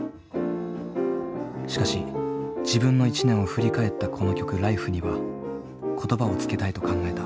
しかし自分の一年を振り返ったこの曲「Ｌｉｆｅ」には言葉をつけたいと考えた。